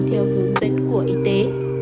theo hướng dẫn của y tế